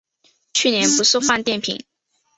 去年不是换电瓶